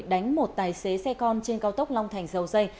đánh một tài xế xe con trên cao tốc long thành dầu dây